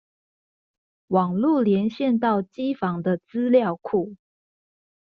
網路連線到機房的資料庫